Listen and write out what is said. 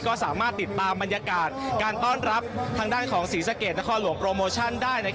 ก็สามารถติดตามบรรยากาศการต้อนรับทางด้านของศรีสะเกดนครหลวงโปรโมชั่นได้